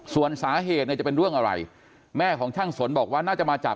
ส่วนสาเหตุเนี่ยจะเป็นเรื่องอะไรแม่ของช่างสนบอกว่าน่าจะมาจาก